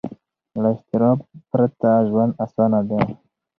له اضطراب پرته ژوند اسانه دی.